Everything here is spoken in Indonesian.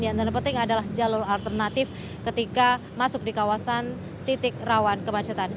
yang terpenting adalah jalur alternatif ketika masuk di kawasan titik rawan kemacetan